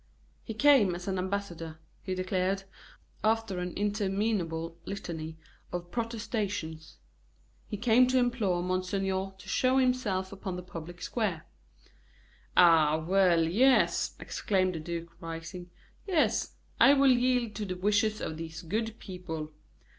He came as an ambassador, he declared, after an interminable litany of protestations he came to implore monseigneur to show himself upon the public square. "Ah, well yes," exclaimed the duke, rising; "yes, I will yield to the wishes of these good people.